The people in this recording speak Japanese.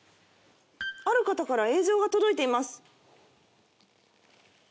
「ある方から映像が届いています。